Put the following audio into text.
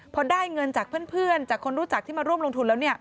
พอได้เงินจากเพื่อนจากคนรู้จักที่มาร่วมลงทุนแล้วเนี่ย